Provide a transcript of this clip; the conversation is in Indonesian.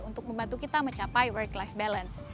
untuk membantu kita mencapai work life balance